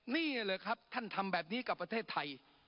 นี่เหรอครับท่านทำแบบนี้กับประเทศไทย